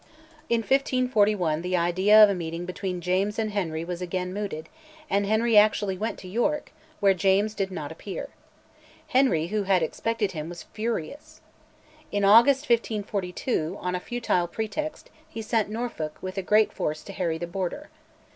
In 1541 the idea of a meeting between James and Henry was again mooted, and Henry actually went to York, where James did not appear. Henry, who had expected him, was furious. In August 1542, on a futile pretext, he sent Norfolk with a great force to harry the Border.